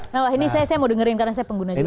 nah wah ini saya mau dengerin karena saya pengguna juga